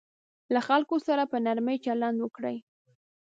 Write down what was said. له خلکو سره په نرمي چلند وکړئ.